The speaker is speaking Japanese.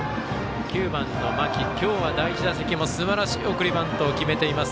９番の間木、今日は第１打席すばらしい送りバントを決めています。